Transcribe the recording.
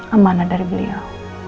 amanah dari beliau